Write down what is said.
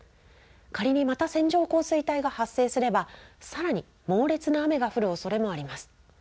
仮にまた線状降水帯が発生すれば、さらに猛烈な雨が降るおそれもあります。